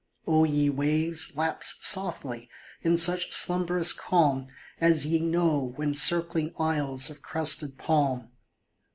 O ye waves, lapse softly, in such slumberous calm As ye know when circling isles of crested palm